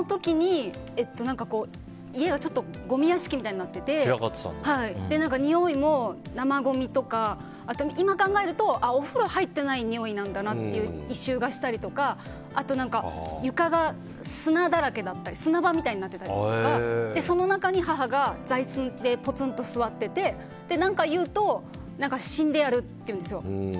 その時に、家がごみ屋敷みたいになっててにおいも生ごみとか今考えるとお風呂入ってないにおいなんだなっていう異臭がしたりとかあとは、床が砂だらけで砂場みたいになってたりとかその中に母が座椅子でポツンと座ってて何か言うと死んでやるって言うんですよ。